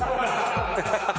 ハハハハ！